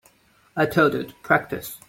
I told you to practice.